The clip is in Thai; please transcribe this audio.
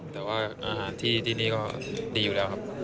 แต่ว่าอาหารที่นี่ก็ดีอยู่แล้วครับ